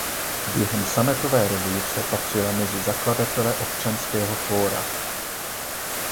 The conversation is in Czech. Během sametové revoluce patřila mezi zakladatele Občanského fóra.